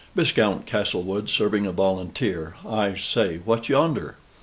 Viscount Castlewood serving a volunteer I say, what's yonder?"